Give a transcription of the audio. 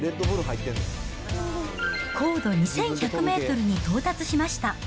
高度２１００メートルに到達しました。